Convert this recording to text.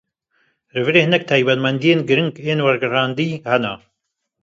Li vir hinek taybetmendîyên girîng ên wergerandî hene.